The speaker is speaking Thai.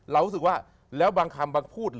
รู้สึกว่าแล้วบางคำบางพูด